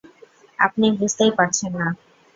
আপনি বুঝতেই পারছেন না।